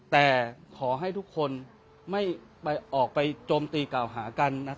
แต่ขอให้ทุกคนไม่ออกไปโจมตีเก่าหากัน